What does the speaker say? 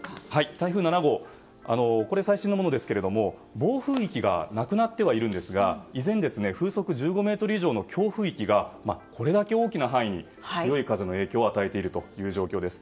台風７号、最新のものですが暴風域がなくなってはいるんですが依然風速１５メートル以上の強風域がこれだけ大きな範囲に強い風の影響を与えている状況です。